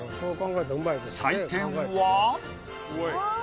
採点は。